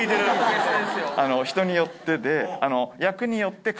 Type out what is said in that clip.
人によってで。